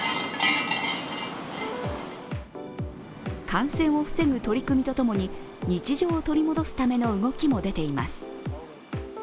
感染を防ぐ取り組みとともに日常を取り戻すための動きも出ています。